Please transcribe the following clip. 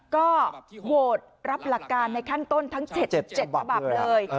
ก็โหวตรับหลักการในขั้นต้นทั้ง๗๗ฉบับเลย